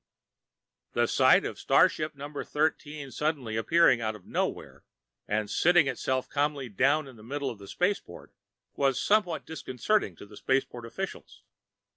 The sight of starship Number Thirteen suddenly appearing out of nowhere, and sitting itself calmly down in the middle of the Spaceport was somewhat disconcerting to the Spaceport officials.